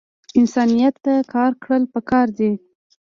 انسانیت ته کار کړل پکار دے